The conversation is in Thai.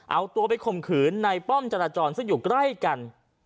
เอาตัวไปข่มขืนในป้อมจราจรซึ่งอยู่ใกล้กัน